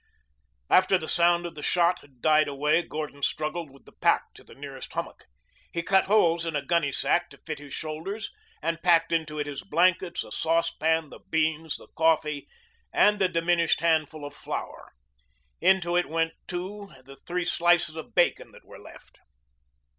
After the sound of the shot had died away, Gordon struggled with the pack to the nearest hummock. He cut holes in a gunny sack to fit his shoulders and packed into it his blankets, a saucepan, the beans, the coffee, and the diminished handful of flour. Into it went too the three slices of bacon that were left.